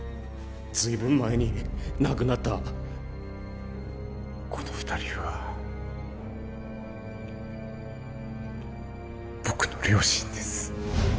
ずいぶん前に亡くなったこの二人は僕の両親です